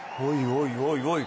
おいおい、